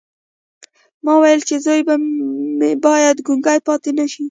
ما ویل چې زوی مې باید ګونګی پاتې نه شي